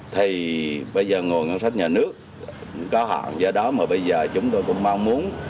thì bây giờ ngồi ngăn sách nhà nước có hạn do đó mà bây giờ chúng tôi cũng mong muốn